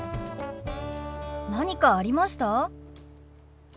何かありました？